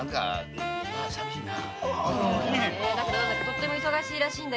とっても忙しいらしい。